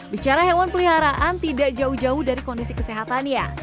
bicara hewan peliharaan tidak jauh jauh dari kondisi kesehatannya